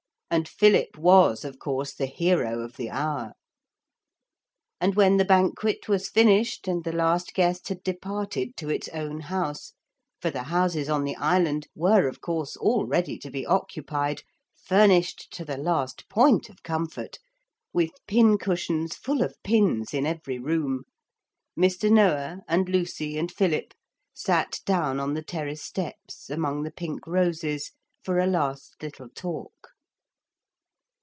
And Philip was, of course, the hero of the hour. And when the banquet was finished and the last guest had departed to its own house for the houses on the island were of course all ready to be occupied, furnished to the last point of comfort, with pin cushions full of pins in every room, Mr. Noah and Lucy and Philip sat down on the terrace steps among the pink roses for a last little talk.